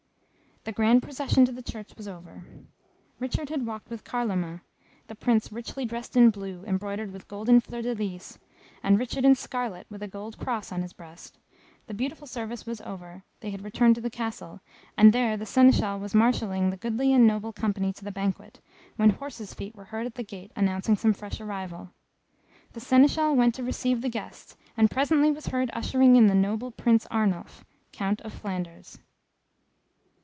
The grand procession to Church was over. Richard had walked with Carloman, the Prince richly dressed in blue, embroidered with golden fleur de lys, and Richard in scarlet, with a gold Cross on his breast; the beautiful service was over, they had returned to the Castle, and there the Seneschal was marshalling the goodly and noble company to the banquet, when horses' feet were heard at the gate announcing some fresh arrival. The Seneschal went to receive the guests, and presently was heard ushering in the noble Prince, Arnulf, Count of Flanders.